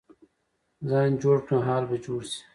ځان جوړ کړه، حال به جوړ شي.